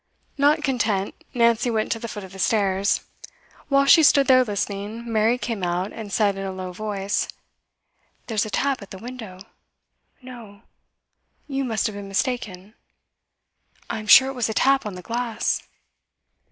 Not content, Nancy went to the foot of the stairs. Whilst she stood there listening, Mary came out, and said in a low voice: 'There's a tap at the window.' 'No! You must have been mistaken.' 'I'm sure it was a tap on the glass.